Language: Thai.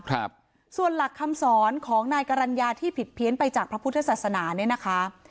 ครับส่วนหลักคำสอนของนายกรรณญาที่ผิดเพี้ยนไปจากพระพุทธศาสนาเนี่ยนะคะ